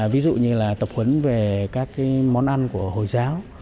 ví dụ như là tập huấn về các món ăn của hồi giáo